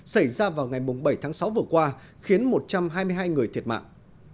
xảy ra vào ngày bảy tháng sáu vừa qua khiến một trăm hai mươi hai người thiệt mạng